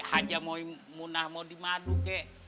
haja memunah mau dimadu ki